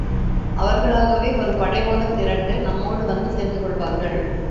அவர்களாகவே ஒருபடை போலத் திரண்டு நம்மோடு வந்து சேர்ந்து கொள்ளுவார்கள்.